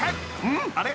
［んっ？あれ？］